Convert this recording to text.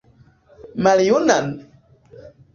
Maljunan?